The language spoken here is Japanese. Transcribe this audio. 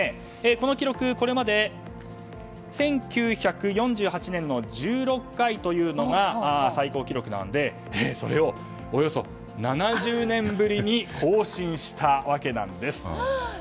この記録、これまで１９４８年の１６回というのが最高記録なのでそれを７０年ぶりに更新したわけです。